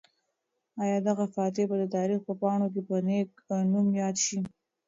آیا دغه فاتح به د تاریخ په پاڼو کې په نېک نوم یاد شي؟